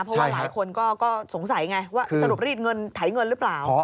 เพราะว่าหลายคนก็สงสัยไงว่าสรุปรีดเงินไถเงินหรือเปล่า